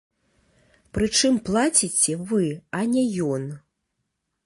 Прычым плаціце вы, а не ён.